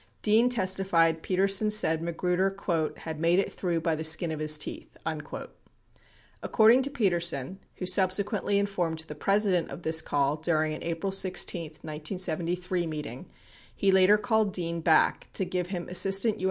12 Dean testified Petersen said Magruder "had made it through by the skin of his teeth." 13 According to Petersen, who subsequently informed the President of this call during an April 16, 1973i, meeting, 14 he later called Dean back to give him Assistant U.